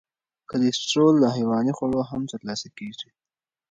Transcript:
کلسترول له حیواني خوړو هم تر لاسه کېږي.